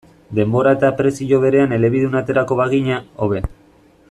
Denbora eta prezio berean elebidun aterako bagina, hobe.